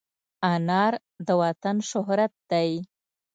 انار د وطن شهرت دی.